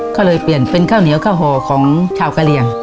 ก็เลยเปลี่ยนเป็นข้าวเหนียวข้าวห่อของชาวกะเหลี่ยง